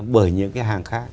bởi những cái hàng khác